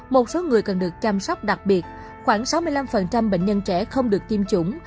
một số người cần được chăm sóc đặc biệt khoảng sáu mươi năm bệnh nhân trẻ không được tiêm chủng